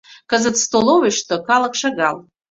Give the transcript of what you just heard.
Кызыт столовыйышто калык шагал.